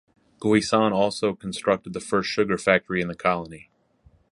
Guisan also constructed the first sugar factory in the colony.